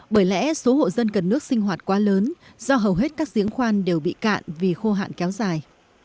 bởi lẽ số hộ dân cần nước sinh hoạt quá lớn do hầu hết các diễn khoan đều bị cạn vì khô hạn kéo dài